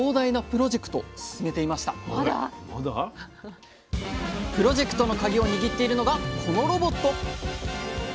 プロジェクトのカギを握っているのがこのロボット！